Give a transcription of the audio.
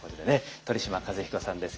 鳥嶋和彦さんです。